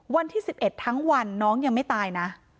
วันที่๑๑ทั้งวันน้องยังไม่ตายนะ